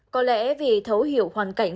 có lẽ vì thấu hiểu hoàn cảnh